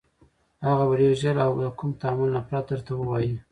هغه به ډېر ژر او له كوم تأمل نه پرته درته ووايي: